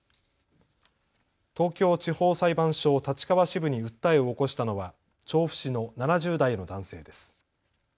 東京地方裁判所立川支部に訴えを起こしたのは調布市の７０代の男性です。